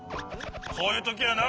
そういうときはな